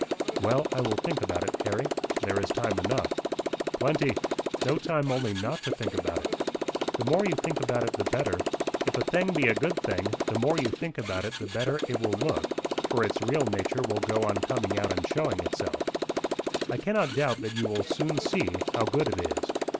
'" "Well, I will think about it, Harry. There is time enough." "Plenty. No time only not to think about it. The more you think about it the better. If a thing be a good thing, the more you think about it the better it will look; for its real nature will go on coming out and showing itself. I cannot doubt that you will soon see how good it is."